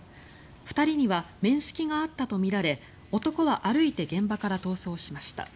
２人には面識があったとみられ男は歩いて現場から逃走しました。